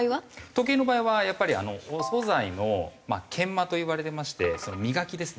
時計の場合はやっぱりあのお素材の研磨といわれてまして磨きですね。